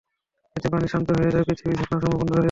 এতে পানি শান্ত হয়ে যায় ও পৃথিবীর ঝরনাসমূহ বন্ধ হয়ে যায়।